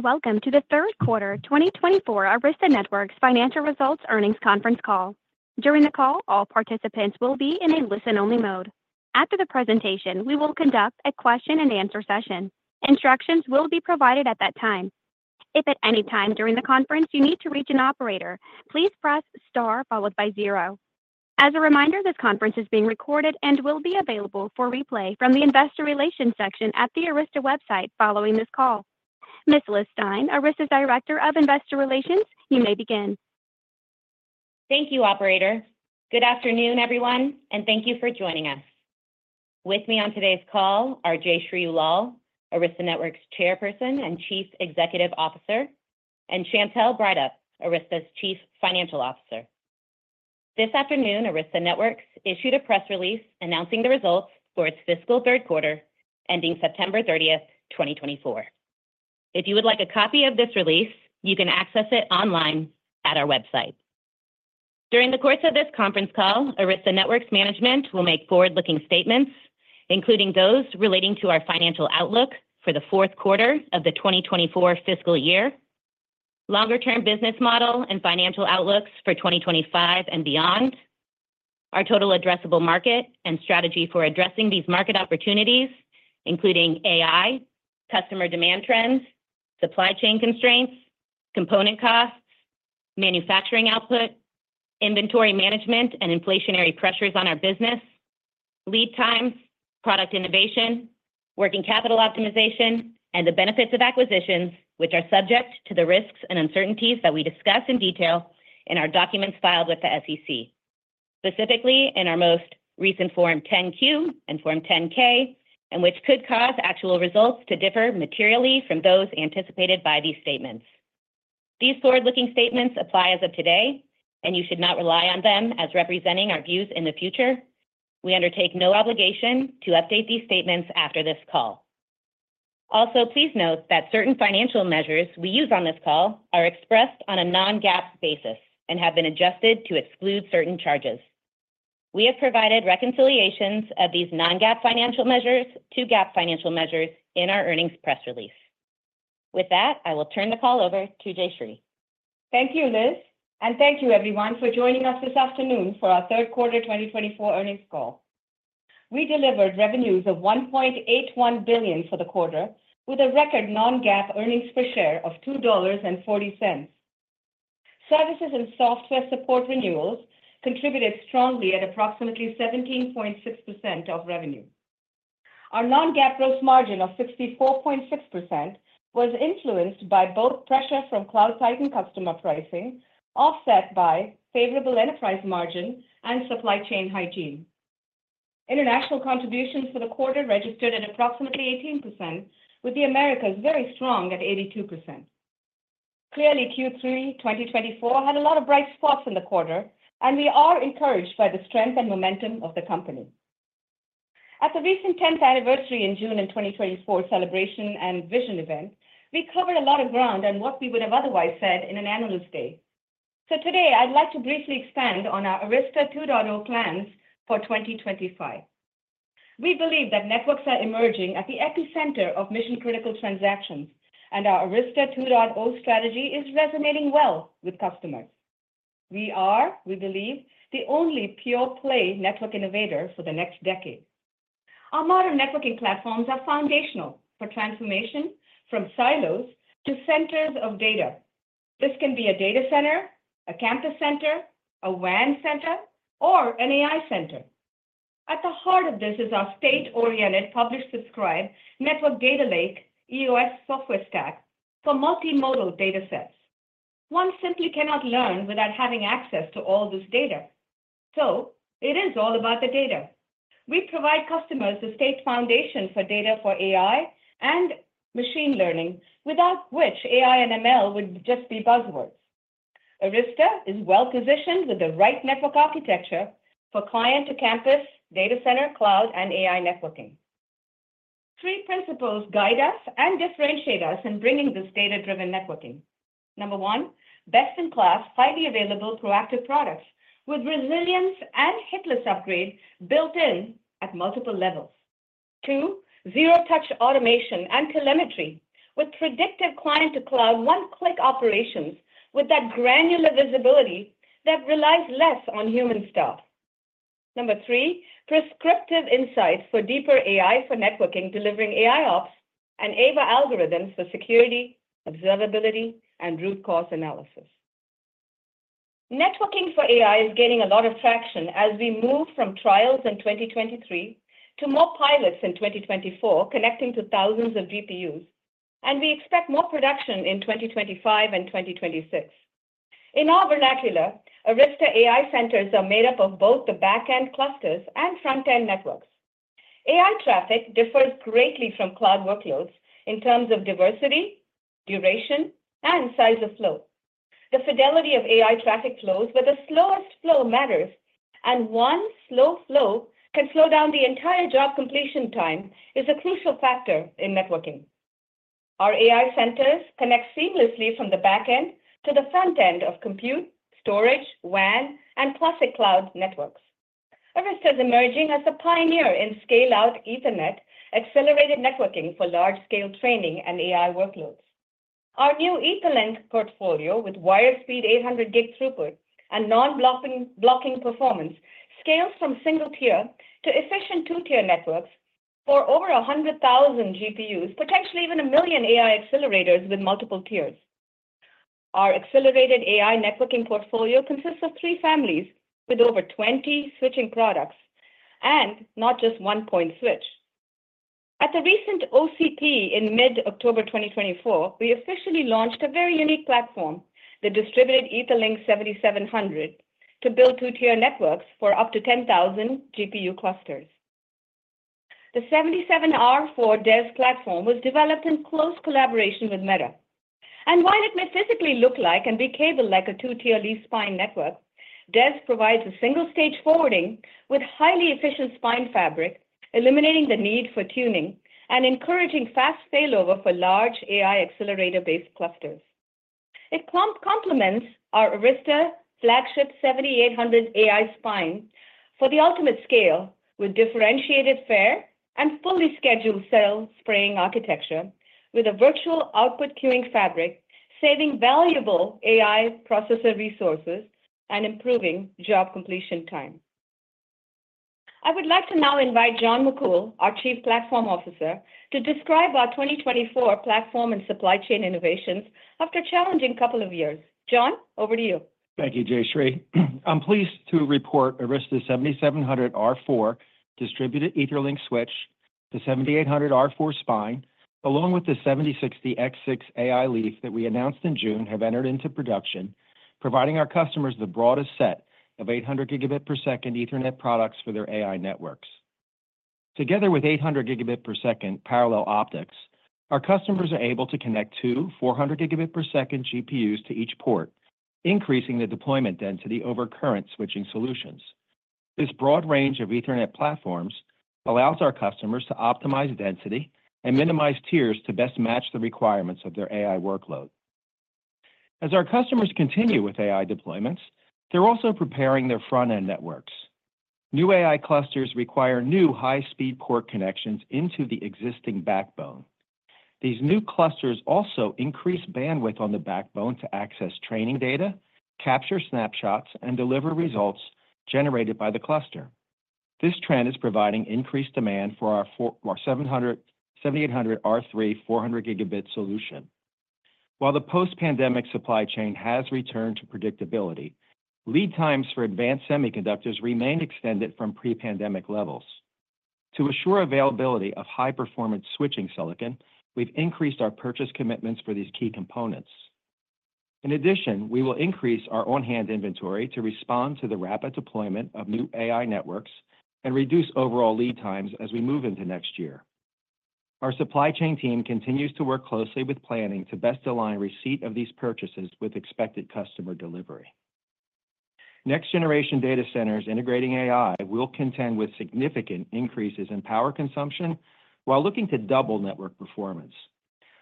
Welcome to the Third Quarter 2024 Arista Networks Financial Results Earnings Conference Call. During the call, all participants will be in a listen-only mode. After the presentation, we will conduct a question-and-answer session. Instructions will be provided at that time. If at any time during the conference you need to reach an operator, please press star followed by zero. As a reminder, this conference is being recorded and will be available for replay from the investor relations section at the Arista website following this call. Ms. Liz Stine, Arista's Director of Investor Relations, you may begin. Thank you, operator. Good afternoon, everyone, and thank you for joining us. With me on today's call are Jayshree Ullal, Arista Networks Chairperson and Chief Executive Officer, and Chantelle Breithaupt, Arista's Chief Financial Officer. This afternoon, Arista Networks issued a press release announcing the results for its fiscal third quarter ending September 30th, 2024. If you would like a copy of this release, you can access it online at our website. During the course of this conference call, Arista Networks management will make forward-looking statements, including those relating to our financial outlook for the fourth quarter of the 2024 fiscal year, longer-term business model and financial outlooks for 2025 and beyond, our total addressable market, and strategy for addressing these market opportunities, including AI, customer demand trends, supply chain constraints, component costs, manufacturing output, inventory management, and inflationary pressures on our business, lead times, product innovation, working capital optimization, and the benefits of acquisitions, which are subject to the risks and uncertainties that we discuss in detail in our documents filed with the SEC, specifically in our most recent Form 10-Q and Form 10-K, and which could cause actual results to differ materially from those anticipated by these statements. These forward-looking statements apply as of today, and you should not rely on them as representing our views in the future. We undertake no obligation to update these statements after this call. Also, please note that certain financial measures we use on this call are expressed on a non-GAAP basis and have been adjusted to exclude certain charges. We have provided reconciliations of these non-GAAP financial measures to GAAP financial measures in our earnings press release. With that, I will turn the call over to Jayshree. Thank you, Liz, and thank you, everyone, for joining us this afternoon for our Third Quarter 2024 Earnings Call. We delivered revenues of $1.81 billion for the quarter, with a record non-GAAP earnings per share of $2.40. Services and software support renewals contributed strongly at approximately 17.6% of revenue. Our non-GAAP gross margin of 64.6% was influenced by both pressure from Cloud Titan customer pricing, offset by favorable enterprise margin and supply chain hygiene. International contributions for the quarter registered at approximately 18%, with the Americas very strong at 82%. Clearly, Q3 2024 had a lot of bright spots in the quarter, and we are encouraged by the strength and momentum of the company. At the recent 10th anniversary in June and 2024 celebration and vision event, we covered a lot of ground on what we would have otherwise said in an analyst day. So today, I'd like to briefly expand on our Arista 2.0 plans for 2025. We believe that networks are emerging at the epicenter of mission-critical transactions, and our Arista 2.0 strategy is resonating well with customers. We are, we believe, the only pure-play network innovator for the next decade. Our modern networking platforms are foundational for transformation from silos to centers of data. This can be a data center, a campus center, a WAN center, or an AI center. At the heart of this is our state-oriented publish-subscribe network data lake, EOS software stack, for multimodal data sets. One simply cannot learn without having access to all this data. So it is all about the data. We provide customers a state foundation for data for AI and machine learning, without which AI and ML would just be buzzwords. Arista is well-positioned with the right network architecture for client to campus, data center, cloud, and AI networking. Three principles guide us and differentiate us in bringing this data-driven networking. Number one, best-in-class, highly available, proactive products with resilience and hitless upgrade built in at multiple levels. Two, zero-touch automation and telemetry with predictive client to cloud one-click operations with that granular visibility that relies less on human stuff. Number three, prescriptive insights for deeper AI for networking, delivering AIOps and AVA algorithms for security, observability, and root cause analysis. Networking for AI is gaining a lot of traction as we move from trials in 2023 to more pilots in 2024, connecting to thousands of GPUs, and we expect more production in 2025 and 2026. In our vernacular, Arista AI centers are made up of both the back-end clusters and front-end networks. AI traffic differs greatly from cloud workloads in terms of diversity, duration, and size of flow. The fidelity of AI traffic flows with the slowest flow matters, and one slow flow can slow down the entire job completion time, is a crucial factor in networking. Our AI centers connect seamlessly from the back end to the front end of compute, storage, WAN, and classic cloud networks. Arista is emerging as a pioneer in scale-out Ethernet accelerated networking for large-scale training and AI workloads. Our new Ethernet portfolio with wire speed 800 Gb throughput and non-blocking performance scales from single-tier to efficient two-tier networks for over 100,000 GPUs, potentially even a million AI accelerators with multiple tiers. Our accelerated AI networking portfolio consists of three families with over 20 switching products and not just one point switch. At the recent OCP in mid-October 2024, we officially launched a very unique platform, the 7700R4 Distributed Etherlink, to build two-tier networks for up to 10,000 GPU clusters. The 7700R4 DES platform was developed in close collaboration with Meta. While it may physically look like and be cabled like a two-tier Leaf-Spine network, DES provides a single-stage forwarding with highly efficient spine fabric, eliminating the need for tuning and encouraging fast failover for large AI accelerator-based clusters. It complements our Arista flagship 7800R4 AI spine for the ultimate scale with differentiated fairness and fully scheduled cell spraying architecture with a Virtual Output Queuing fabric, saving valuable AI processor resources and improving job completion time. I would like to now invite John McCool, our Chief Platform Officer, to describe our 2024 platform and supply chain innovations after a challenging couple of years. John, over to you. Thank you, Jayshree. I'm pleased to report Arista 7700R4 Distributed Etherlink Switch, the 7800R4 spine, along with the 7060X6 AI leaf that we announced in June have entered into production, providing our customers the broadest set of 800 Gb per second Ethernet products for their AI networks. Together with 800 Gb per second parallel optics, our customers are able to connect two 400 Gb per second GPUs to each port, increasing the deployment density over current switching solutions. This broad range of Ethernet platforms allows our customers to optimize density and minimize tiers to best match the requirements of their AI workload. As our customers continue with AI deployments, they're also preparing their front-end networks. New AI clusters require new high-speed port connections into the existing backbone. These new clusters also increase bandwidth on the backbone to access training data, capture snapshots, and deliver results generated by the cluster. This trend is providing increased demand for our 7800R3 400 Gb solution. While the post-pandemic supply chain has returned to predictability, lead times for advanced semiconductors remain extended from pre-pandemic levels. To assure availability of high-performance switching silicon, we've increased our purchase commitments for these key components. In addition, we will increase our on-hand inventory to respond to the rapid deployment of new AI networks and reduce overall lead times as we move into next year. Our supply chain team continues to work closely with planning to best align receipt of these purchases with expected customer delivery. Next-generation data centers integrating AI will contend with significant increases in power consumption while looking to double network performance.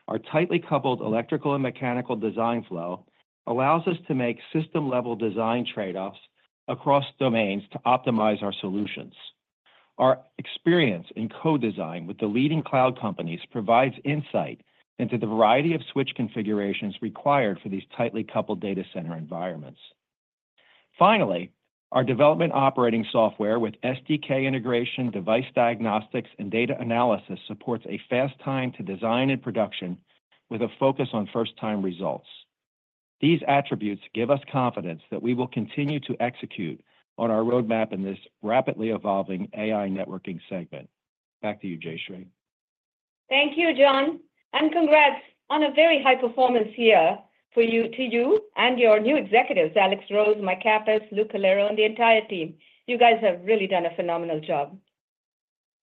Our tightly coupled electrical and mechanical design flow allows us to make system-level design trade-offs across domains to optimize our solutions. Our experience in co-design with the leading cloud companies provides insight into the variety of switch configurations required for these tightly coupled data center environments. Finally, our development operating software with SDK integration, device diagnostics, and data analysis supports a fast time to design and production with a focus on first-time results. These attributes give us confidence that we will continue to execute on our roadmap in this rapidly evolving AI networking segment. Back to you, Jayshree. Thank you, John, and congrats on a very high-performance year for you to you and your new executives, Alex Rose, Mike Kappus, Luke Colero, and the entire team. You guys have really done a phenomenal job.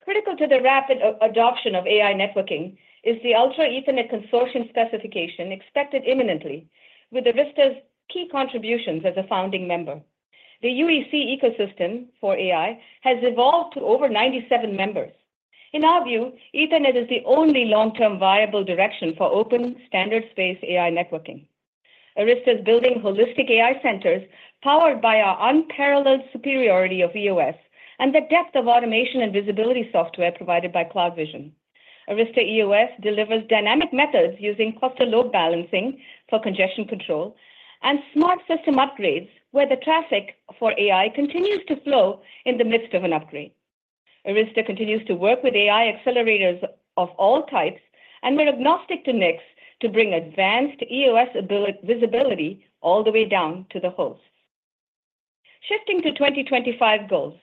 Critical to the rapid adoption of AI networking is the Ultra Ethernet Consortium specification expected imminently, with Arista's key contributions as a founding member. The UEC ecosystem for AI has evolved to over 97 members. In our view, Ethernet is the only long-term viable direction for open standard space AI networking. Arista is building holistic AI centers powered by our unparalleled superiority of EOS and the depth of automation and visibility software provided by CloudVision. Arista EOS delivers dynamic methods using cluster load balancing for congestion control and smart system upgrades where the traffic for AI continues to flow in the midst of an upgrade. Arista continues to work with AI accelerators of all types and we're agnostic to NICs to bring advanced EOS visibility all the way down to the host. Shifting to 2025 goals,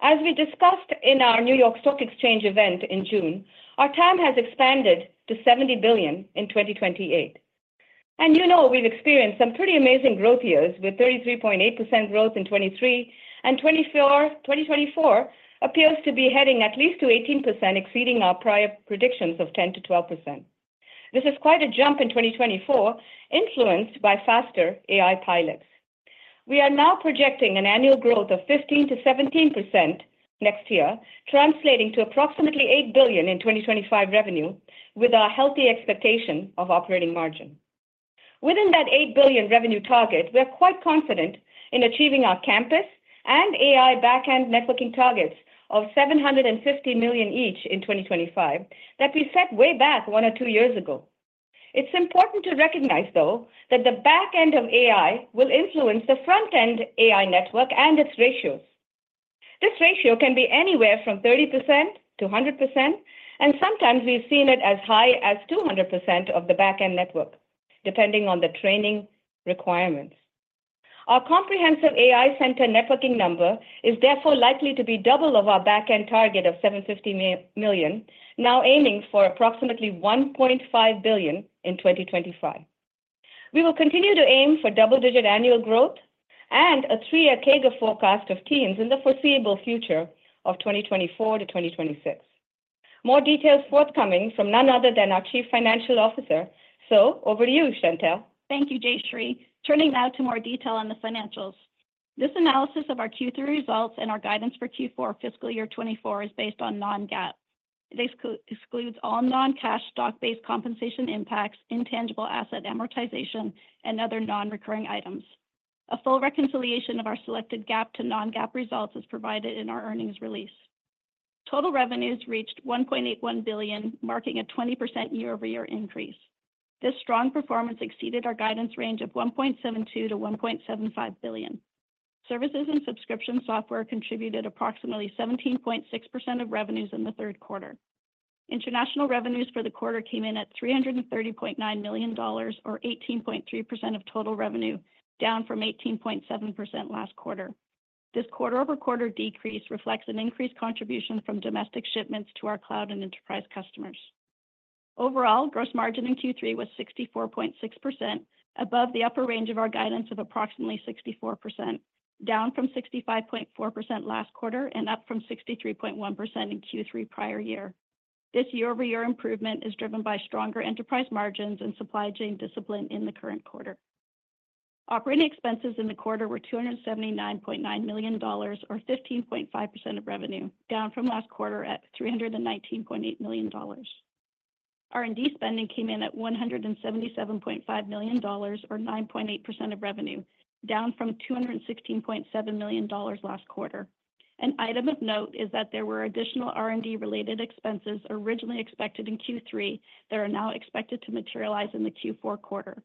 as we discussed in our New York Stock Exchange event in June, our TAM has expanded to $70 billion in 2028. And you know we've experienced some pretty amazing growth years with 33.8% growth in 2023, and 2024 appears to be heading at least to 18%, exceeding our prior predictions of 10%-12%. This is quite a jump in 2024, influenced by faster AI pilots. We are now projecting an annual growth of 15%-17% next year, translating to approximately $8 billion in 2025 revenue with our healthy expectation of operating margin. Within that $8 billion revenue target, we're quite confident in achieving our campus and AI back-end networking targets of $750 million each in 2025 that we set way back one or two years ago. It's important to recognize, though, that the back end of AI will influence the front-end AI network and its ratios. This ratio can be anywhere from 30%-100%, and sometimes we've seen it as high as 200% of the back-end network, depending on the training requirements. Our comprehensive AI center networking number is therefore likely to be double of our back-end target of $750 million, now aiming for approximately $1.5 billion in 2025. We will continue to aim for double-digit annual growth and a three-year CAGR forecast of teens in the foreseeable future of 2024 to 2026. More details forthcoming from none other than our Chief Financial Officer, so over to you, Chantelle. Thank you, Jayshree. Turning now to more detail on the financials. This analysis of our Q3 results and our guidance for Q4 fiscal year 2024 is based on non-GAAP. This excludes all non-cash stock-based compensation impacts, intangible asset amortization, and other non-recurring items. A full reconciliation of our selected GAAP to non-GAAP results is provided in our earnings release. Total revenues reached $1.81 billion, marking a 20% year-over-year increase. This strong performance exceeded our guidance range of $1.72 billion-$1.75 billion. Services and subscription software contributed approximately 17.6% of revenues in the third quarter. International revenues for the quarter came in at $330.9 million, or 18.3% of total revenue, down from 18.7% last quarter. This quarter-over-quarter decrease reflects an increased contribution from domestic shipments to our cloud and enterprise customers. Overall, gross margin in Q3 was 64.6%, above the upper range of our guidance of approximately 64%, down from 65.4% last quarter and up from 63.1% in Q3 prior year. This year-over-year improvement is driven by stronger enterprise margins and supply chain discipline in the current quarter. Operating expenses in the quarter were $279.9 million, or 15.5% of revenue, down from last quarter at $319.8 million. R&D spending came in at $177.5 million, or 9.8% of revenue, down from $216.7 million last quarter. An item of note is that there were additional R&D-related expenses originally expected in Q3 that are now expected to materialize in the Q4 quarter.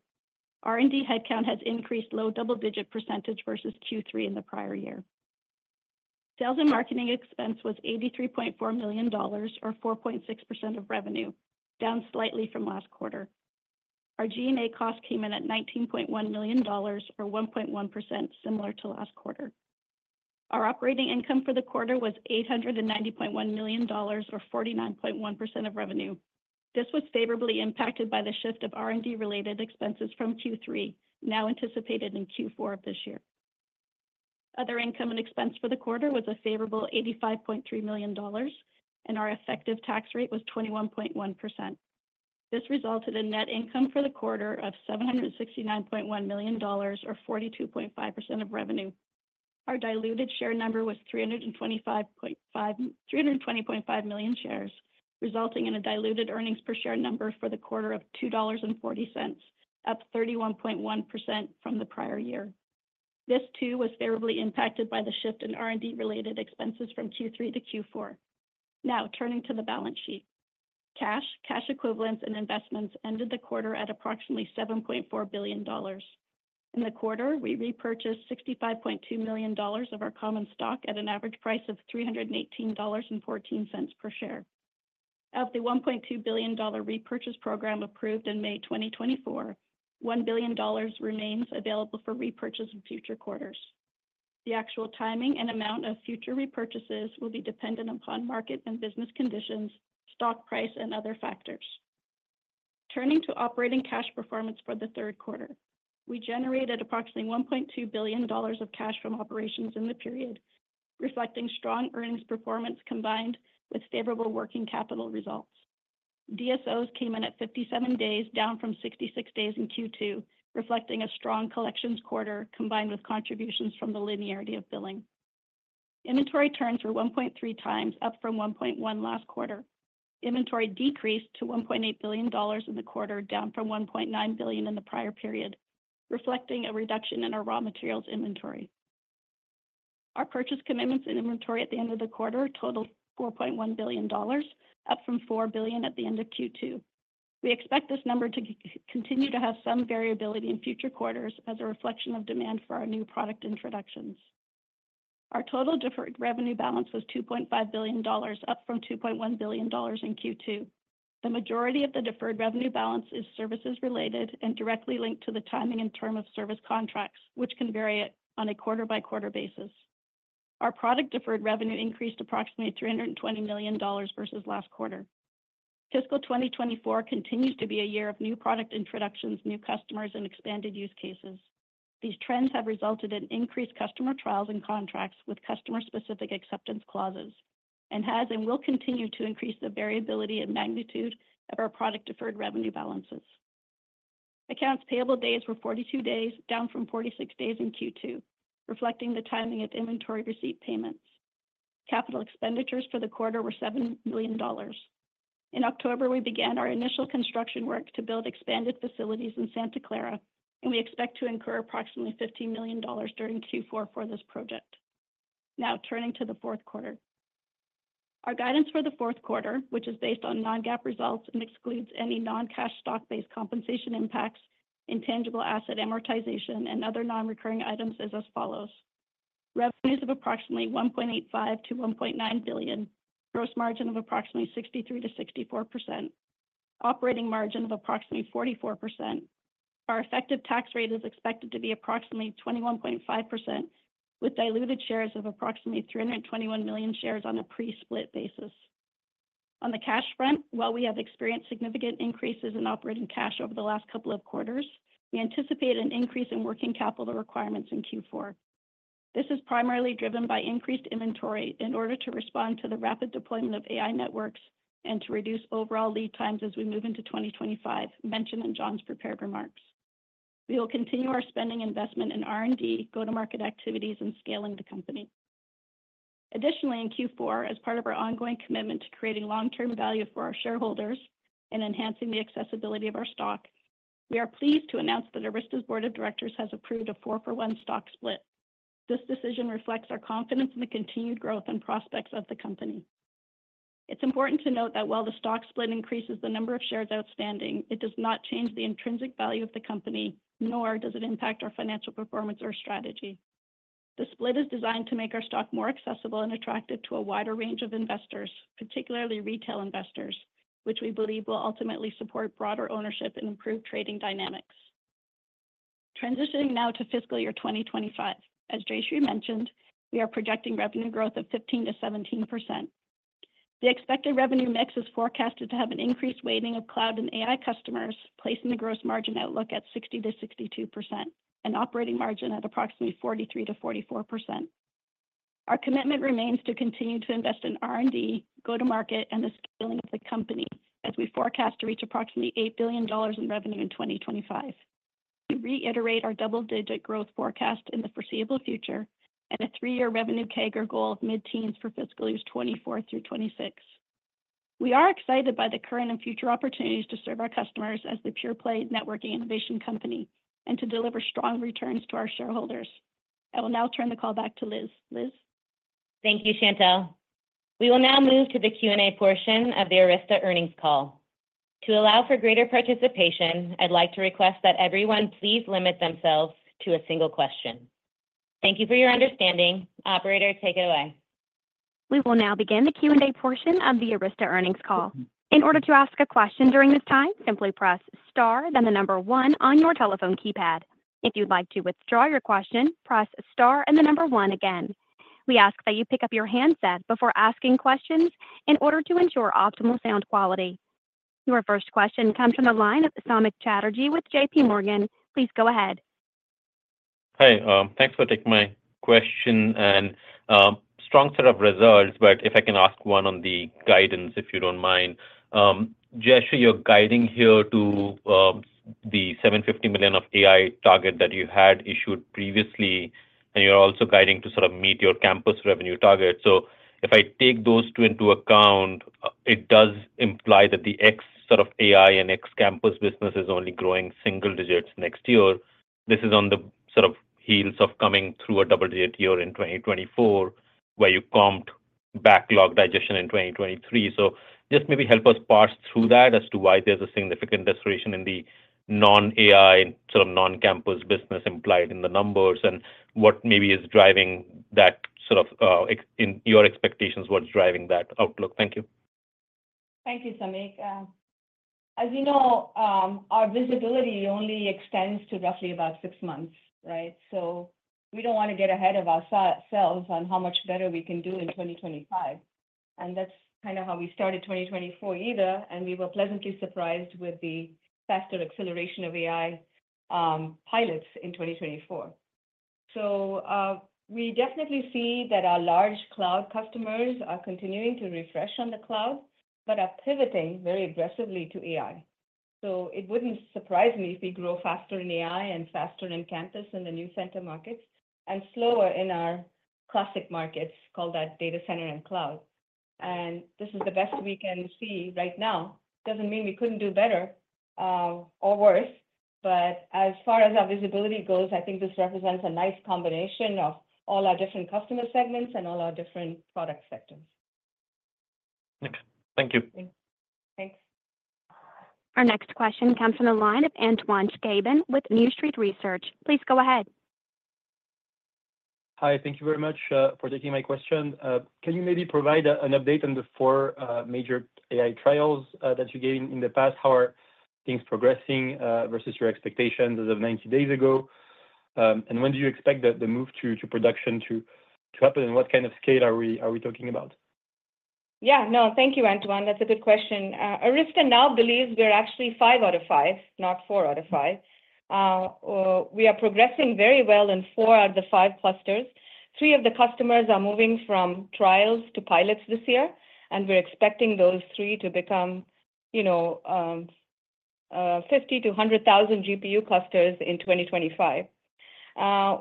R&D headcount has increased low double-digit percentage versus Q3 in the prior year. Sales and marketing expense was $83.4 million, or 4.6% of revenue, down slightly from last quarter. Our G&A cost came in at $19.1 million, or 1.1%, similar to last quarter. Our operating income for the quarter was $890.1 million, or 49.1% of revenue. This was favorably impacted by the shift of R&D-related expenses from Q3, now anticipated in Q4 of this year. Other income and expense for the quarter was a favorable $85.3 million, and our effective tax rate was 21.1%. This resulted in net income for the quarter of $769.1 million, or 42.5% of revenue. Our diluted share number was 320.5 million shares, resulting in a diluted earnings per share number for the quarter of $2.40, up 31.1% from the prior year. This, too, was favorably impacted by the shift in R&D-related expenses from Q3 to Q4. Now, turning to the balance sheet, cash, cash equivalents, and investments ended the quarter at approximately $7.4 billion. In the quarter, we repurchased $65.2 million of our common stock at an average price of $318.14 per share. Of the $1.2 billion repurchase program approved in May 2024, $1 billion remains available for repurchase in future quarters. The actual timing and amount of future repurchases will be dependent upon market and business conditions, stock price, and other factors. Turning to operating cash performance for the third quarter, we generated approximately $1.2 billion of cash from operations in the period, reflecting strong earnings performance combined with favorable working capital results. DSOs came in at 57 days, down from 66 days in Q2, reflecting a strong collections quarter combined with contributions from the linearity of billing. Inventory turns were 1.3x, up from 1.1 last quarter. Inventory decreased to $1.8 billion in the quarter, down from $1.9 billion in the prior period, reflecting a reduction in our raw materials inventory. Our purchase commitments and inventory at the end of the quarter totaled $4.1 billion, up from $4 billion at the end of Q2. We expect this number to continue to have some variability in future quarters as a reflection of demand for our new product introductions. Our total deferred revenue balance was $2.5 billion, up from $2.1 billion in Q2. The majority of the deferred revenue balance is services-related and directly linked to the timing and term of service contracts, which can vary on a quarter-by-quarter basis. Our product deferred revenue increased approximately $320 million versus last quarter. Fiscal 2024 continues to be a year of new product introductions, new customers, and expanded use cases. These trends have resulted in increased customer trials and contracts with customer-specific acceptance clauses and has and will continue to increase the variability and magnitude of our product deferred revenue balances. Accounts payable days were 42 days, down from 46 days in Q2, reflecting the timing of inventory receipt payments. Capital expenditures for the quarter were $7 million. In October, we began our initial construction work to build expanded facilities in Santa Clara, and we expect to incur approximately $15 million during Q4 for this project. Now, turning to the fourth quarter. Our guidance for the fourth quarter, which is based on non-GAAP results and excludes any non-cash stock-based compensation impacts, intangible asset amortization, and other non-recurring items, is as follows: revenues of approximately $1.85 billion-$1.9 billion, gross margin of approximately 63%-64%, operating margin of approximately 44%. Our effective tax rate is expected to be approximately 21.5%, with diluted shares of approximately 321 million shares on a pre-split basis. On the cash front, while we have experienced significant increases in operating cash over the last couple of quarters, we anticipate an increase in working capital requirements in Q4. This is primarily driven by increased inventory in order to respond to the rapid deployment of AI networks and to reduce overall lead times as we move into 2025, mentioned in John's prepared remarks. We will continue our spending investment in R&D, go-to-market activities, and scaling the company. Additionally, in Q4, as part of our ongoing commitment to creating long-term value for our shareholders and enhancing the accessibility of our stock, we are pleased to announce that Arista's board of directors has approved a 4-for-1 stock split. This decision reflects our confidence in the continued growth and prospects of the company. It's important to note that while the stock split increases the number of shares outstanding, it does not change the intrinsic value of the company, nor does it impact our financial performance or strategy. The split is designed to make our stock more accessible and attractive to a wider range of investors, particularly retail investors, which we believe will ultimately support broader ownership and improve trading dynamics. Transitioning now to fiscal year 2025, as Jayshree mentioned, we are projecting revenue growth of 15%-17%. The expected revenue mix is forecasted to have an increased weighting of cloud and AI customers, placing the gross margin outlook at 60%-62% and operating margin at approximately 43%-44%. Our commitment remains to continue to invest in R&D, go-to-market, and the scaling of the company as we forecast to reach approximately $8 billion in revenue in 2025. We reiterate our double-digit growth forecast in the foreseeable future and a three-year revenue CAGR goal of mid-teens for fiscal years 2024 through 2026. We are excited by the current and future opportunities to serve our customers as the pure-play networking innovation company and to deliver strong returns to our shareholders. I will now turn the call back to Liz. Liz? Thank you, Chantelle. We will now move to the Q&A portion of the Arista earnings call. To allow for greater participation, I'd like to request that everyone please limit themselves to a single question. Thank you for your understanding. Operator, take it away. We will now begin the Q&A portion of the Arista earnings call. In order to ask a question during this time, simply press star, then the number one on your telephone keypad. If you'd like to withdraw your question, press star and the number one again. We ask that you pick up your handset before asking questions in order to ensure optimal sound quality. Your first question comes from the line of Samik Chatterjee with JPMorgan. Please go ahead. Hi. Thanks for taking my question. And strong set of results, but if I can ask one on the guidance, if you don't mind. Jayshree, you're guiding here to the $750 million of AI target that you had issued previously, and you're also guiding to sort of meet your campus revenue target. So if I take those two into account, it does imply that the ex sort of AI and ex campus business is only growing single digits next year. This is on the sort of heels of coming through a double-digit year in 2024, where you comped backlog digestion in 2023. So just maybe help us parse through that as to why there's a significant deceleration in the non-AI and sort of non-campus business implied in the numbers and what maybe is driving that sort of in your expectations, what's driving that outlook. Thank you. Thank you, Samik. As you know, our visibility only extends to roughly about six months, right? So we don't want to get ahead of ourselves on how much better we can do in 2025, and that's kind of how we started 2024 either, and we were pleasantly surprised with the faster acceleration of AI pilots in 2024, so we definitely see that our large cloud customers are continuing to refresh on the cloud, but are pivoting very aggressively to AI, so it wouldn't surprise me if we grow faster in AI and faster in campus in the new center markets and slower in our classic markets, call that data center and cloud, and this is the best we can see right now. Doesn't mean we couldn't do better or worse. But as far as our visibility goes, I think this represents a nice combination of all our different customer segments and all our different product sectors. Thank you. Thanks. Our next question comes from the line of Antoine Chkaiban with New Street Research. Please go ahead. Hi. Thank you very much for taking my question. Can you maybe provide an update on the four major AI trials that you gained in the past? How are things progressing versus your expectations as of 90 days ago? And when do you expect the move to production to happen? And what kind of scale are we talking about? Yeah. No, thank you, Antoine. That's a good question. Arista now believes we're actually five out of five, not four out of five. We are progressing very well in four out of the five clusters. Three of the customers are moving from trials to pilots this year, and we're expecting those three to become 50,000-100,000 GPU clusters in 2025.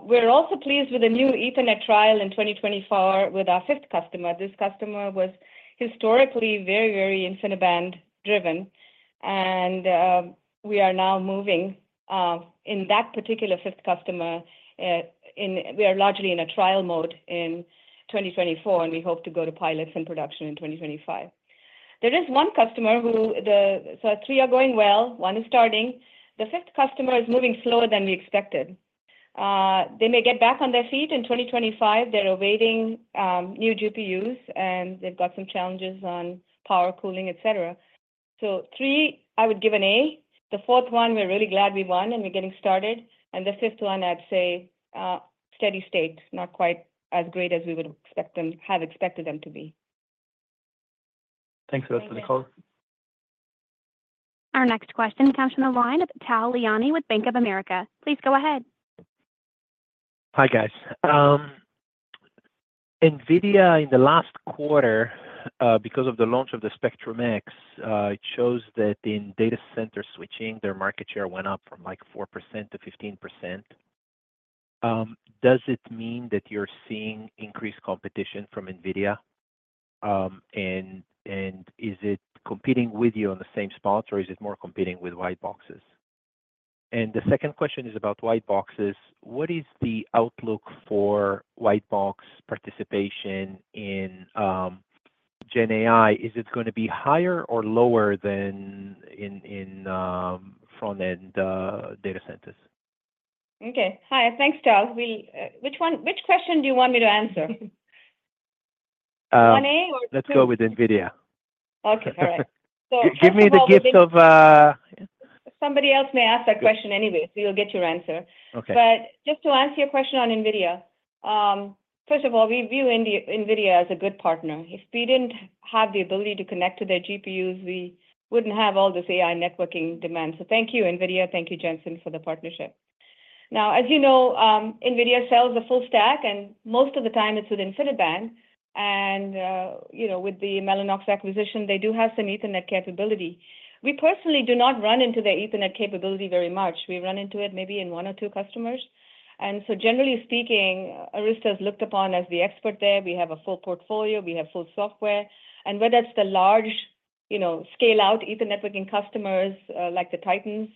We're also pleased with a new Ethernet trial in 2024 with our fifth customer. This customer was historically very, very InfiniBand-driven, and we are now moving in that particular fifth customer. We are largely in a trial mode in 2024, and we hope to go to pilots and production in 2025. There is one customer who the sort of three are going well. One is starting. The fifth customer is moving slower than we expected. They may get back on their feet in 2025. They're awaiting new GPUs, and they've got some challenges on power cooling, et cetera. So three, I would give an A. The fourth one, we're really glad we won, and we're getting started. And the fifth one, I'd say steady state, not quite as great as we would have expected them to be. Thanks for that color. Our next question comes from the line of Tal Liani with Bank of America. Please go ahead. Hi, guys. NVIDIA, in the last quarter, because of the launch of the Spectrum-X, it shows that in data center switching, their market share went up from like 4%-15%. Does it mean that you're seeing increased competition from NVIDIA? And is it competing with you on the same spots, or is it more competing with white boxes? And the second question is about white boxes. What is the outlook for white box participation in Gen AI? Is it going to be higher or lower than in front-end data centers? Okay. Hi. Thanks, Tal. Which question do you want me to answer? One A or B? Let's go with NVIDIA. Okay. All right. Give me the gift of. Somebody else may ask that question anyway, so you'll get your answer. Okay. But just to answer your question on NVIDIA, first of all, we view NVIDIA as a good partner. If we didn't have the ability to connect to their GPUs, we wouldn't have all this AI networking demand. So thank you, NVIDIA. Thank you, Jensen, for the partnership. Now, as you know, NVIDIA sells the full stack, and most of the time, it's with InfiniBand. And with the Mellanox acquisition, they do have some Ethernet capability. We personally do not run into their Ethernet capability very much. We run into it maybe in one or two customers. And so generally speaking, Arista is looked upon as the expert there. We have a full portfolio. We have full software. And whether it's the large scale-out Ethernet-working customers like the Titans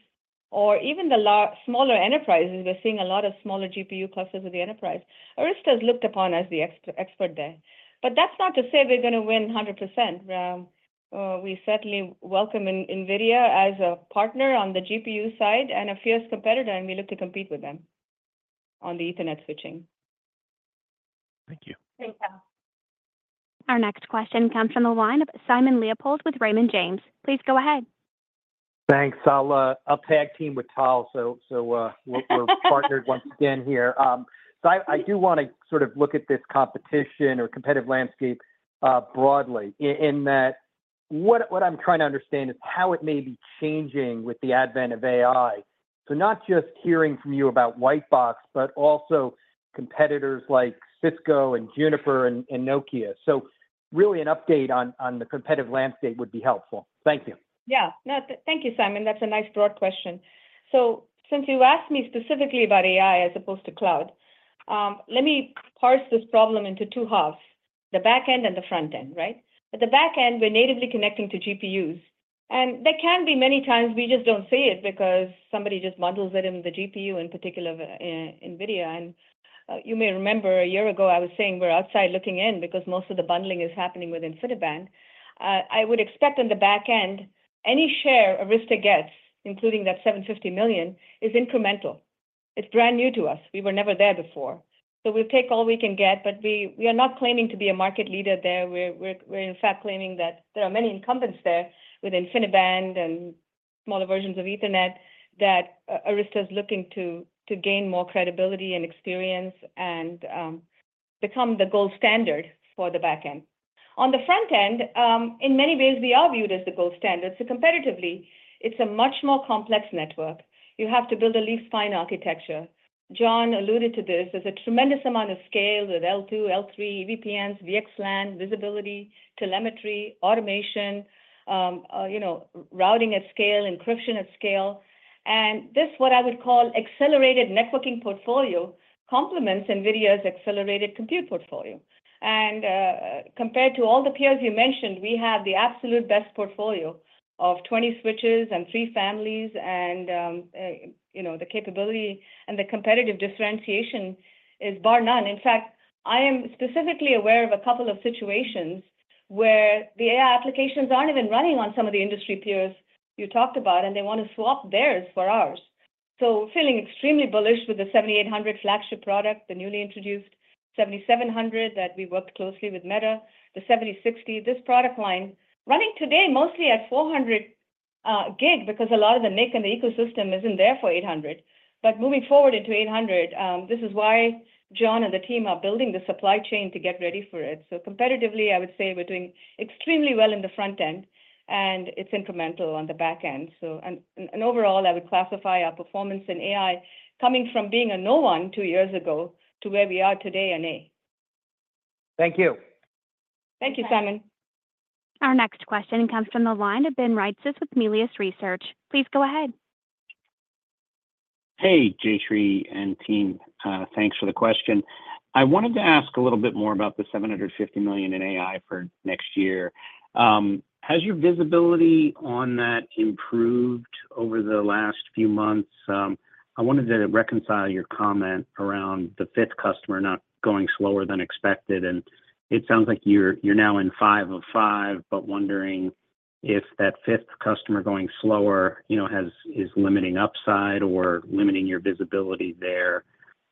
or even the smaller enterprises, we're seeing a lot of smaller GPU clusters with the enterprise. Arista is looked upon as the expert there. But that's not to say we're going to win 100%. We certainly welcome NVIDIA as a partner on the GPU side and a fierce competitor, and we look to compete with them on the Ethernet switching. Thank you. Thank you. Our next question comes from the line of Simon Leopold with Raymond James. Please go ahead. Thanks. I'll tag team with Tal. So we're partnered once again here. So I do want to sort of look at this competition or competitive landscape broadly in that what I'm trying to understand is how it may be changing with the advent of AI. So not just hearing from you about white box, but also competitors like Cisco and Juniper and Nokia. So really an update on the competitive landscape would be helpful. Thank you. Yeah. No, thank you, Simon. That's a nice broad question. So since you asked me specifically about AI as opposed to cloud, let me parse this problem into two halves, the back end and the front end, right? At the back end, we're natively connecting to GPUs. And there can be many times we just don't see it because somebody just bundles it in the GPU, in particular NVIDIA. And you may remember a year ago, I was saying we're outside looking in because most of the bundling is happening with InfiniBand. I would expect on the back end, any share Arista gets, including that $750 million, is incremental. It's brand new to us. We were never there before. So we'll take all we can get, but we are not claiming to be a market leader there. We're in fact claiming that there are many incumbents there with InfiniBand and smaller versions of Ethernet that Arista is looking to gain more credibility and experience and become the gold standard for the back end. On the front end, in many ways, we are viewed as the gold standard. So competitively, it's a much more complex network. You have to build a leaf-spine architecture. John alluded to this. There's a tremendous amount of scale with L2, L3, VPNs, VXLAN, visibility, telemetry, automation, routing at scale, encryption at scale. And this, what I would call accelerated networking portfolio, complements NVIDIA's accelerated compute portfolio. And compared to all the peers you mentioned, we have the absolute best portfolio of 20 switches and three families. And the capability and the competitive differentiation is bar none. In fact, I am specifically aware of a couple of situations where the AI applications aren't even running on some of the industry peers you talked about, and they want to swap theirs for ours. I am feeling extremely bullish with the 7800 flagship product, the newly introduced 7700 that we worked closely with Meta, the 7060, this product line running today mostly at 400 Gb because a lot of the NIC and the ecosystem isn't there for 800 Gb. Moving forward into 800 Gb, this is why John and the team are building the supply chain to get ready for it. Competitively, I would say we're doing extremely well in the front end, and it's incremental on the back end. Overall, I would classify our performance in AI coming from being a no one two years ago to where we are today in A. Thank you. Thank you, Simon. Our next question comes from the line of Ben Reitzes with Melius Research. Please go ahead. Hey, Jayshree and team. Thanks for the question. I wanted to ask a little bit more about the $750 million in AI for next year. Has your visibility on that improved over the last few months? I wanted to reconcile your comment around the fifth customer not going slower than expected, and it sounds like you're now in five of five, but wondering if that fifth customer going slower is limiting upside or limiting your visibility there,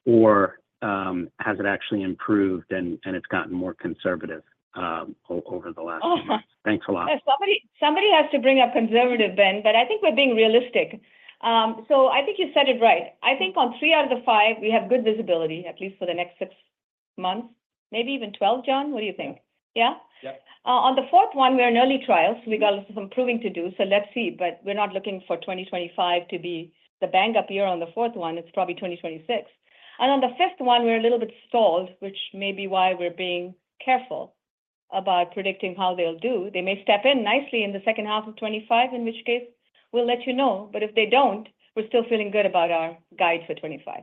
or has it actually improved and it's gotten more conservative over the last few months? Thanks a lot. Somebody has to bring up conservative, Ben, but I think we're being realistic. So I think you said it right. I think on three out of the five, we have good visibility, at least for the next six months, maybe even 12, John. What do you think? Yeah? Yep. On the fourth one, we're in early trials. We got some proving to do, so let's see. But we're not looking for 2025 to be the bang-up year on the fourth one. It's probably 2026. And on the fifth one, we're a little bit stalled, which may be why we're being careful about predicting how they'll do. They may step in nicely in the second half of 2025, in which case we'll let you know. But if they don't, we're still feeling good about our guide for 2025.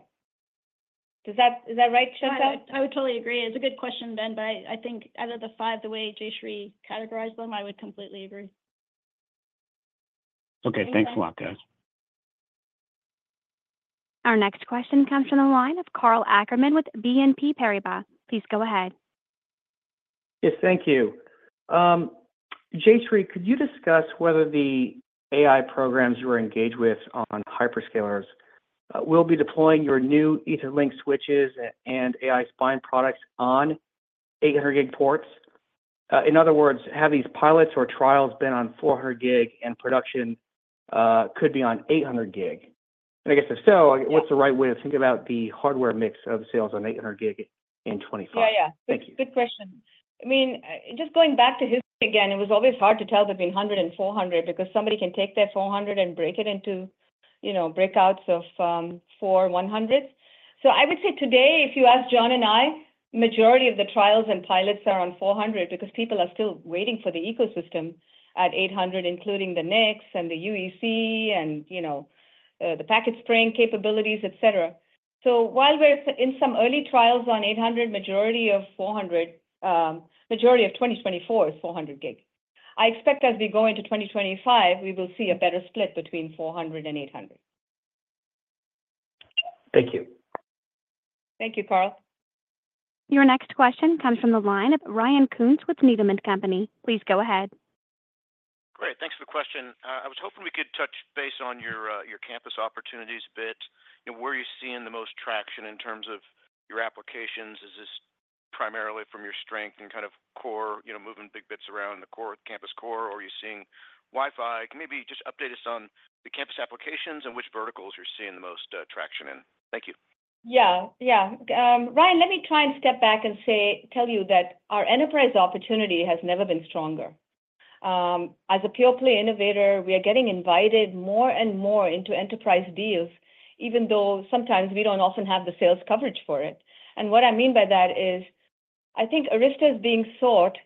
Is that right, Chantelle? I would totally agree. It's a good question, Ben, but I think out of the five, the way Jayshree categorized them, I would completely agree. Okay. Thanks a lot, guys. Our next question comes from the line of Karl Ackerman with BNP Paribas. Please go ahead. Yes, thank you. Jayshree, could you discuss whether the AI programs you are engaged with on hyperscalers will be deploying your new Etherlink switches and AI spine products on 800 Gb ports? In other words, have these pilots or trials been on 400 Gb and production could be on 800 Gb? And I guess if so, what's the right way to think about the hardware mix of sales on 800 Gb in 2025? Yeah, yeah. Good question. I mean, just going back to history again, it was always hard to tell between 100 Gb and 400 Gb because somebody can take their 400 Gb and break it into breakouts of four 100s. So I would say today, if you ask John and I, the majority of the trials and pilots are on 400 Gb because people are still waiting for the ecosystem at 800 Gb, including the NICs and the UEC and the packet spraying capabilities, et cetera. So while we're in some early trials on 800 Gb, majority of 2024 is 400 Gb. I expect as we go into 2025, we will see a better split between 400 Gb and 800 Gb. Thank you. Thank you, Karl. Your next question comes from the line of Ryan Koontz with Needham & Company. Please go ahead. Great. Thanks for the question. I was hoping we could touch base on your campus opportunities a bit. Where are you seeing the most traction in terms of your applications? Is this primarily from your strength and kind of core moving big bits around the campus core, or are you seeing Wi-Fi? Maybe just update us on the campus applications and which verticals you're seeing the most traction in. Thank you. Yeah. Yeah. Ryan, let me try and step back and tell you that our enterprise opportunity has never been stronger. As a pure-play innovator, we are getting invited more and more into enterprise deals, even though sometimes we don't often have the sales coverage for it. And what I mean by that is I think Arista is being sought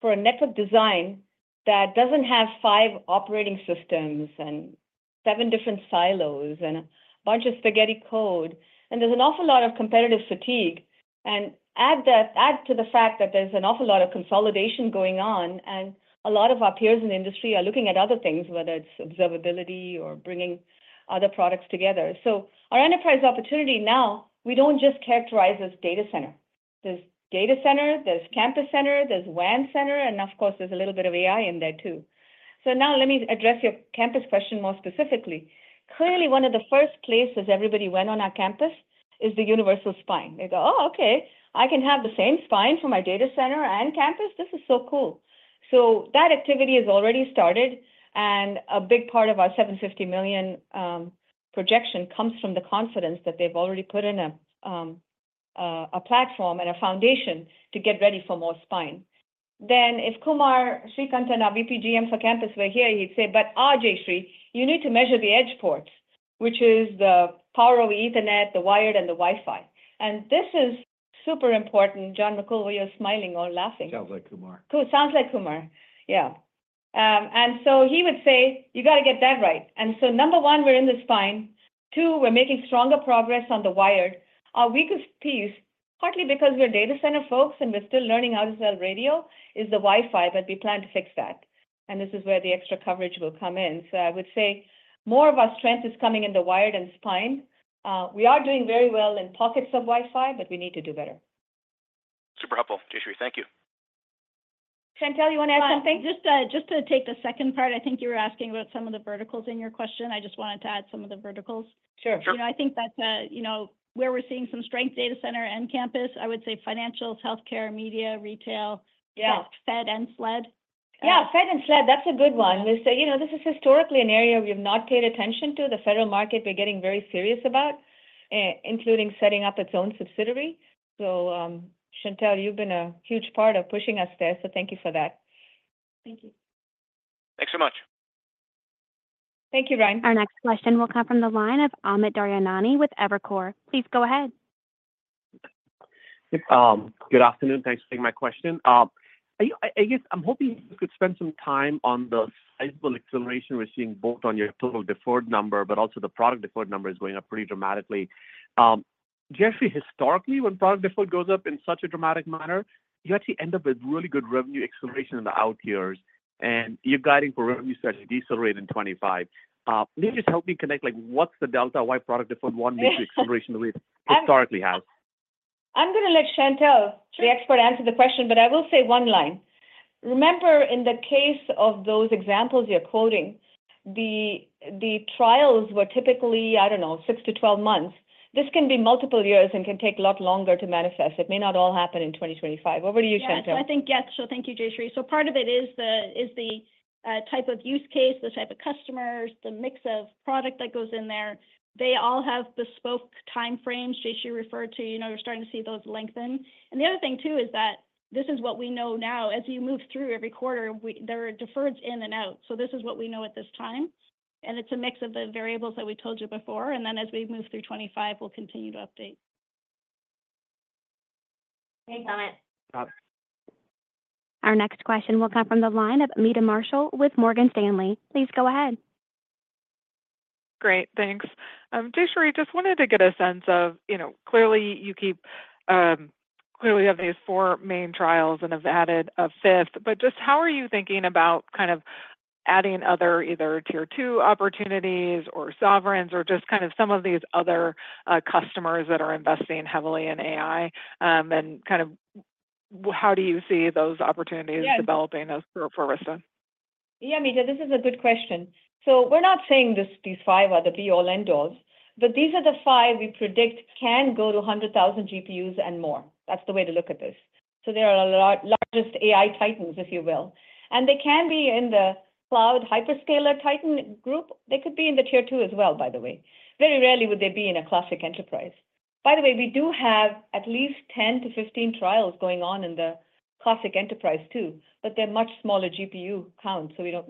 for a network design that doesn't have five operating systems and seven different silos and a bunch of spaghetti code. And there's an awful lot of competitive fatigue. And add to the fact that there's an awful lot of consolidation going on, and a lot of our peers in the industry are looking at other things, whether it's observability or bringing other products together. So our enterprise opportunity now, we don't just characterize as data center. There's data center, there's campus center, there's WAN center, and of course, there's a little bit of AI in there too. So now let me address your campus question more specifically. Clearly, one of the first places everybody went on our campus is the universal spine. They go, oh, okay. I can have the same spine for my data center and campus. This is so cool. So that activity has already started, and a big part of our $750 million projection comes from the confidence that they've already put in a platform and a foundation to get ready for more spine. Then if Kumar Srikantan, our VP GM for campus were here, he'd say, but Jayshree, you need to measure the edge ports, which is the power of Ethernet, the wired, and the Wi-Fi. And this is super important. John McCool, you're smiling or laughing. Sounds like Kumar. Sounds like Kumar. Yeah. And so he would say, you got to get that right. And so number one, we're in the spine. Two, we're making stronger progress on the wired. Our weakest piece, partly because we're data center folks and we're still learning how to sell radio, is the Wi-Fi, but we plan to fix that. And this is where the extra coverage will come in. So I would say more of our strength is coming in the wired and spine. We are doing very well in pockets of Wi-Fi, but we need to do better. Super helpful, Jayshree. Thank you. Chantelle, you want to add something? Just to take the second part, I think you were asking about some of the verticals in your question. I just wanted to add some of the verticals. Sure. I think that's where we're seeing some strength: data center and campus. I would say financials, healthcare, media, retail, health, Fed, and SLED. Yeah, Fed and SLED. That's a good one. We'll say this is historically an area we have not paid attention to. The Federal market, we're getting very serious about, including setting up its own subsidiary. So Chantelle, you've been a huge part of pushing us there, so thank you for that. Thank you. Thanks so much. Thank you, Ryan. Our next question will come from the line of Amit Daryanani with Evercore. Please go ahead. Good afternoon. Thanks for taking my question. I guess I'm hoping we could spend some time on the sizable acceleration we're seeing both on your total deferred number, but also the product deferred number is going up pretty dramatically. Jayshree, historically, when product deferred goes up in such a dramatic manner, you actually end up with really good revenue acceleration in the out years, and you're guiding for revenue strategy decelerating in 2025. Maybe just help me connect what's the delta, why product deferred won't meet the acceleration that we historically have? I'm going to let Chantelle, the expert, answer the question, but I will say one line. Remember, in the case of those examples you're quoting, the trials were typically, I don't know, six to 12 months. This can be multiple years and can take a lot longer to manifest. It may not all happen in 2025. Over to you, Chantelle. Yes. I think, yes. So thank you, Jayshree. So part of it is the type of use case, the type of customers, the mix of product that goes in there. They all have bespoke time frames. Jayshree referred to, you're starting to see those lengthen. And the other thing too is that this is what we know now. As you move through every quarter, there are deferreds in and out. So this is what we know at this time. And it's a mix of the variables that we told you before. And then as we move through 2025, we'll continue to update. Thanks, Amit. Got it. Our next question will come from the line of Meta Marshall with Morgan Stanley. Please go ahead. Great. Thanks. Jayshree, just wanted to get a sense of clearly, you have these four main trials and have added a fifth, but just how are you thinking about kind of adding other either tier two opportunities or sovereigns or just kind of some of these other customers that are investing heavily in AI, and kind of how do you see those opportunities developing for Arista? Yeah, Meta, this is a good question, so we're not saying these five are the be-all-end-alls, but these are the five we predict can go to 100,000 GPUs and more. That's the way to look at this, so they are our largest AI titans, if you will, and they can be in the cloud hyperscaler titan group. They could be in the tier two as well, by the way. Very rarely would they be in a classic enterprise. By the way, we do have at least 10-15 trials going on in the classic enterprise too, but they're much smaller GPU counts, so we don't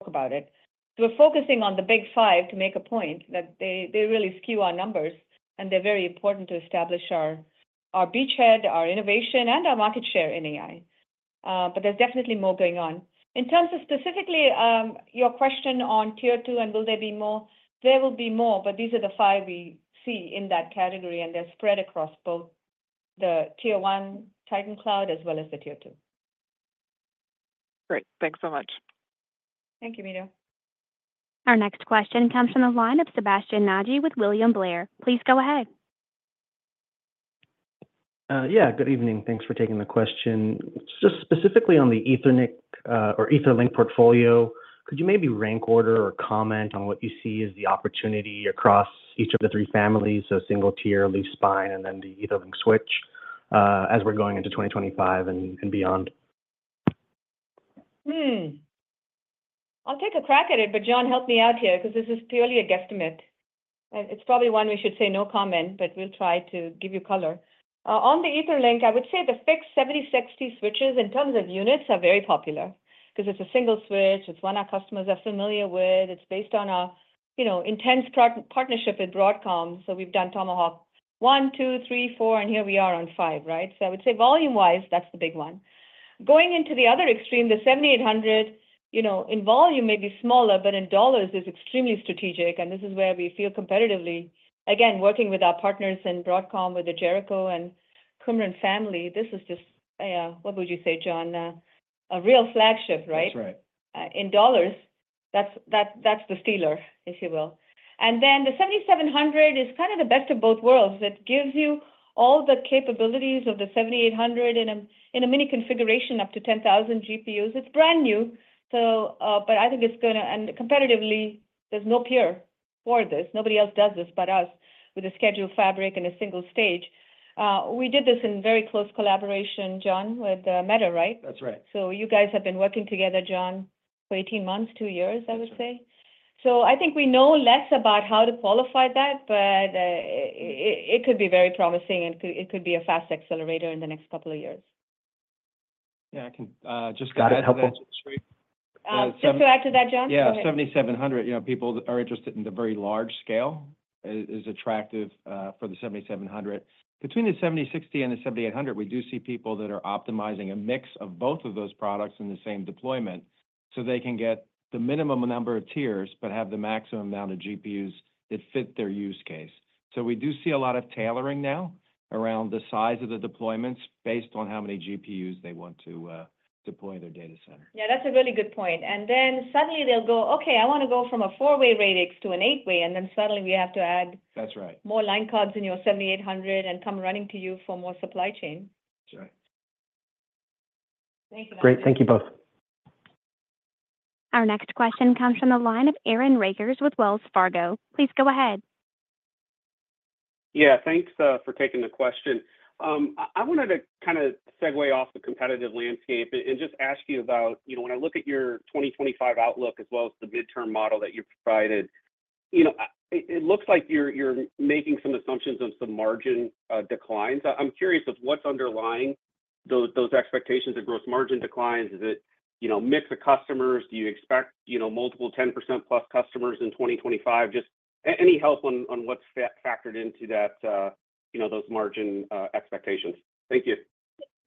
talk about it. We're focusing on the big five to make a point that they really skew our numbers, and they're very important to establish our beachhead, our innovation, and our market share in AI, but there's definitely more going on. In terms of specifically your question on tier two and will there be more, there will be more, but these are the five we see in that category, and they're spread across both the tier one Titan cloud as well as the tier two. Great. Thanks so much. Thank you, Meta. Our next question comes from the line of Sebastien Naji with William Blair. Please go ahead. Yeah. Good evening. Thanks for taking the question. Just specifically on the Etherlink portfolio, could you maybe rank order or comment on what you see as the opportunity across each of the three families? So single tier, leaf spine, and then the Etherlink switch as we're going into 2025 and beyond? I'll take a crack at it, but John, help me out here because this is purely a guesstimate. It's probably one we should say no comment, but we'll try to give you color. On the Etherlink, I would say the fixed 7060 switches in terms of units are very popular because it's a single switch. It's one our customers are familiar with. It's based on our intense partnership with Broadcom. So we've done Tomahawk one, two, three, four, and here we are on five, right? So I would say volume-wise, that's the big one. Going into the other extreme, the 7800 in volume may be smaller, but in dollars, it's extremely strategic. And this is where we feel competitively, again, working with our partners in Broadcom with the Jericho and Qumran family, this is just, what would you say, John? A real flagship, right? That's right. In dollars, that's the stealer, if you will. And then the 7700 is kind of the best of both worlds. It gives you all the capabilities of the 7800 in a mini configuration up to 10,000 GPUs. It's brand new, but I think it's going to, and competitively, there's no peer for this. Nobody else does this but us with a scheduled fabric and a single stage. We did this in very close collaboration, John, with Meta, right? That's right. So you guys have been working together, John, for 18 months, two years, I would say. So I think we know less about how to qualify that, but it could be very promising, and it could be a fast accelerator in the next couple of years. Yeah. I can just add that. Got it. Helpful. Just to add to that, John? Yeah. 7700, people are interested in the very large scale, which is attractive for the 7700. Between the 7060 and the 7800, we do see people that are optimizing a mix of both of those products in the same deployment so they can get the minimum number of tiers but have the maximum amount of GPUs that fit their use case. So we do see a lot of tailoring now around the size of the deployments based on how many GPUs they want to deploy in their data center. Yeah. That's a really good point. And then suddenly they'll go, okay, I want to go from a four-way Radix to an eight-way, and then suddenly we have to add. That's right. More line cards in your 7800 and come running to you for more supply chain. That's right. Thank you. Great. Thank you both. Our next question comes from the line of Aaron Rakers with Wells Fargo. Please go ahead. Yeah. Thanks for taking the question. I wanted to kind of segue off the competitive landscape and just ask you about when I look at your 2025 outlook as well as the midterm model that you provided, it looks like you're making some assumptions of some margin declines. I'm curious of what's underlying those expectations of gross margin declines. Is it mix of customers? Do you expect multiple 10%+ customers in 2025? Just any help on what's factored into those margin expectations? Thank you.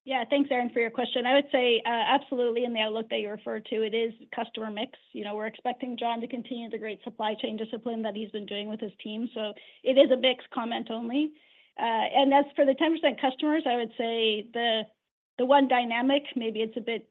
Yeah. Thanks, Aaron, for your question. I would say absolutely in the outlook that you referred to, it is customer mix. We're expecting John to continue to great supply chain discipline that he's been doing with his team. So it is a mixed comment only. And as for the 10% customers, I would say the one dynamic, maybe it's a bit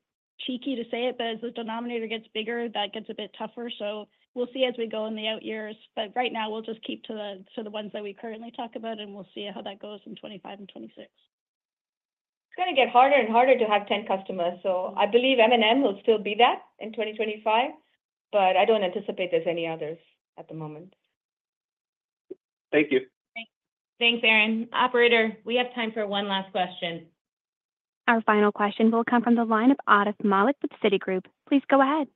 cheeky to say it, but as the denominator gets bigger, that gets a bit tougher. So we'll see as we go in the out years. But right now, we'll just keep to the ones that we currently talk about, and we'll see how that goes in 2025 and 2026. It's going to get harder and harder to have 10 customers. So I believe M&M will still be that in 2025, but I don't anticipate there's any others at the moment. Thank you. Thanks, Aaron. Operator, we have time for one last question. Our final question will come from the line of Atif Malik with Citigroup. Please go ahead.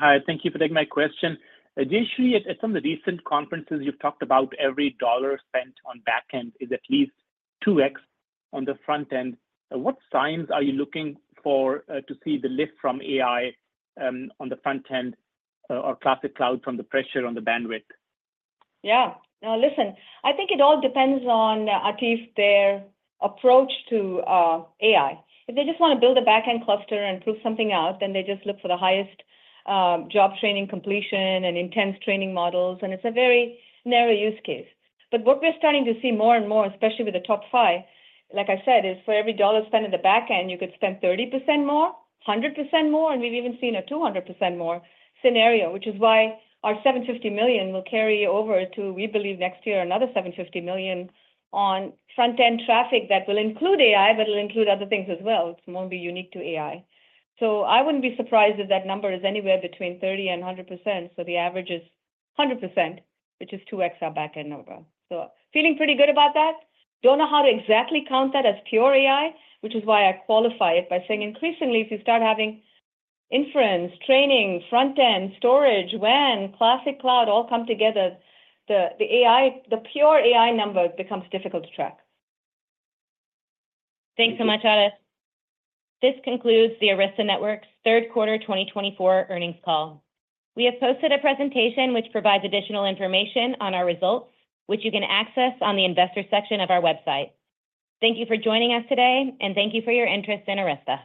Hi. Thank you for taking my question. Jayshree, at some of the recent conferences, you've talked about every dollar spent on backend is at least 2x on the front end. What signs are you looking for to see the lift from AI on the front end or classic cloud from the pressure on the bandwidth? Yeah. Now, listen, I think it all depends on Atif their approach to AI. If they just want to build a backend cluster and prove something out, then they just look for the highest job training completion and intense training models, and it's a very narrow use case. But what we're starting to see more and more, especially with the top five, like I said, is for every dollar spent in the backend, you could spend 30% more, 100% more, and we've even seen a 200% more scenario, which is why our $750 million will carry over to, we believe, next year, another $750 million on front-end traffic that will include AI, but it'll include other things as well. It won't be unique to AI. So I wouldn't be surprised if that number is anywhere between 30% and 100%. So the average is 100%, which is 2x our backend number. So feeling pretty good about that. Don't know how to exactly count that as pure AI, which is why I qualify it by saying increasingly, if you start having inference, training, front-end, storage, when classic cloud all come together, the pure AI number becomes difficult to track. Thanks so much, Atif. This concludes the Arista Networks Third Quarter 2024 Earnings Call. We have posted a presentation which provides additional information on our results, which you can access on the investor section of our website. Thank you for joining us today, and thank you for your interest in Arista.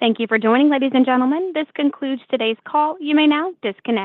Thank you for joining, ladies and gentlemen. This concludes today's call. You may now disconnect.